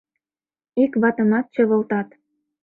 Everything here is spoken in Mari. Ик ватымат чывылтат.